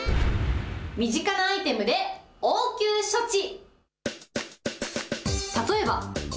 身近なアイテムで応急処置。